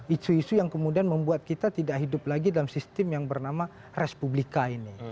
isu isu yang kemudian membuat kita tidak hidup lagi dalam sistem yang bernama respublika ini